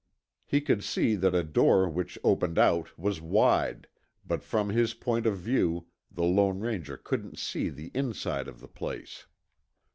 He could see that a door which opened out was wide, but from his point of view the Lone Ranger couldn't see the inside of the place.